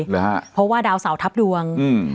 หรือฮะเพราะว่าดาวเสาทับดวงอืม